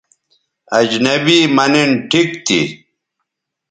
اجنبی مہ نِن ٹھیک تھی